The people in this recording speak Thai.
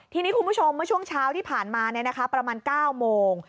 ทีนี้คุณผู้ชมเมื่อช่วงเช้าที่ผ่านมาประมาณ๙โมง